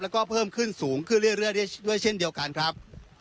แล้วก็เพิ่มขึ้นสูงขึ้นเรื่อยด้วยเช่นเดียวกันครับ